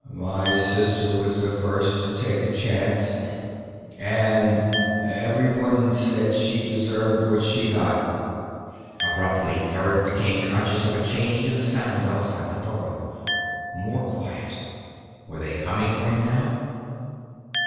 My sister was the first to take a chance and everyone said she deserved what she got." Abruptly, Eric became conscious of a change in the sounds outside the burrow. More quiet. Were they coming for him now?